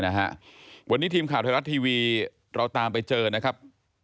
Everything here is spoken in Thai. นะฮะวันนี้ทีมข่าวไทยรัฐทีวีเราตามไปเจอนะครับ